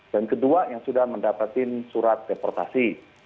dan kedua yang sudah mendapatkan surat deportasi